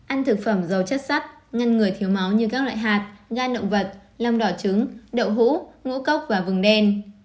ăn thực phẩm giàu chất sắt ngăn người thiếu máu như các loại hạt gan động vật lăm đỏ trứng đậu hũ ngũ cốc và vừng đen